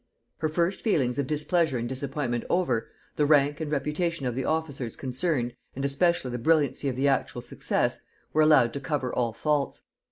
Her first feelings of displeasure and disappointment over, the rank and reputation of the officers concerned, and especially the brilliancy of the actual success, were allowed to cover all faults.